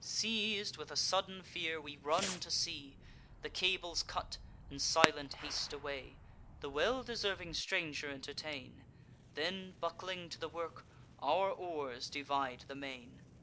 "Seiz'd with a sudden fear, we run to sea, The cables cut, and silent haste away; The well deserving stranger entertain; Then, buckling to the work, our oars divide the main.